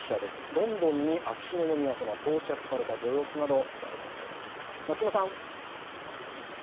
ロンドンに秋篠宮さま、到着されたご様子などを伝えてもらいます。